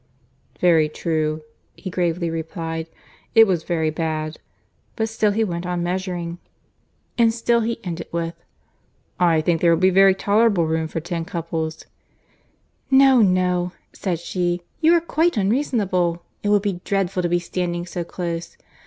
"Very true," he gravely replied; "it was very bad." But still he went on measuring, and still he ended with, "I think there will be very tolerable room for ten couple." "No, no," said she, "you are quite unreasonable. It would be dreadful to be standing so close!